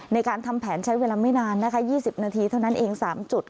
ในการทำแผนใช้เวลาไม่นานนะคะ๒๐นาทีเท่านั้นเอง๓จุด